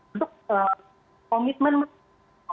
untuk komitmen mencapai